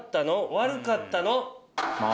悪かったの？